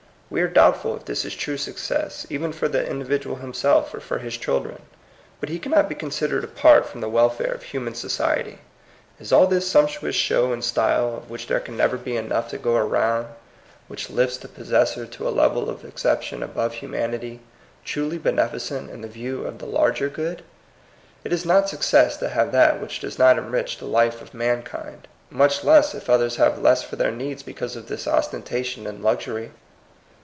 We are doubtful if this is true success, even for the individual himself or for his children. But he cannot be consid ered apart from the welfare of human so ciety. Is all this sumptuous show and style, of which there can never be enough 90 THE COMING PEOPLE. to go around, which lifts the possessor to a level of exception above humanity, truly beneficent in the view of the larger good? It is not success to have that which does not enrich the life of mankind, much less if others have less for their needs because of this ostentation and luxury.